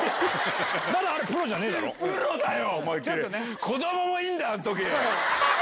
プロだよ！